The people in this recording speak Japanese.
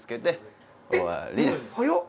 早っ！